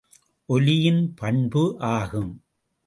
ஒலியின் பண்பு ஆகும்.